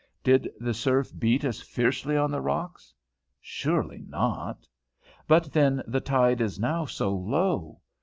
Did the surf beat as fiercely on the rocks? Surely not. But then the tide is now so low!